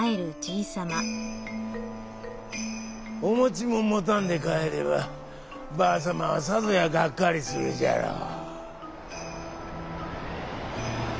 「おもちももたんでかえればばあさまはさぞやがっかりするじゃろう」。